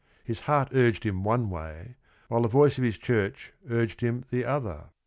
His heart urged him one way, while the voice of his church urged "him the other.